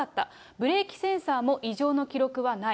ブレーキセンサーも異常の記録はない。